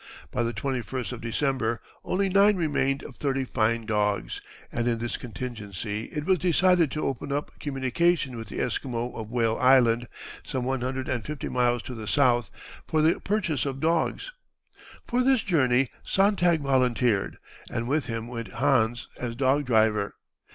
By the 21st of December only nine remained of thirty fine dogs, and in this contingency it was decided to open up communication with the Esquimaux of Whale Sound, some one hundred and fifty miles to the south, for the purchase of dogs. For this journey Sontag volunteered, and with him went Hans as dog driver.